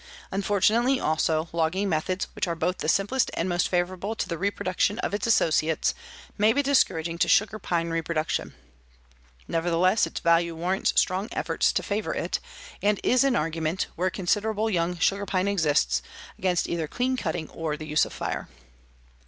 Unfortunately, also, logging methods which are both the simplest and most favorable to the reproduction of its associates may be discouraging to sugar pine reproduction. Nevertheless, its value warrants strong efforts to favor it and is an argument, where considerable young sugar pine exists, against either clean cutting or the use of fire.